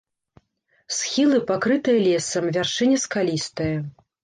Схілы пакрытыя лесам, вяршыня скалістая.